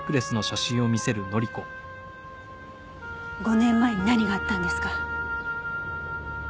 ５年前に何があったんですか？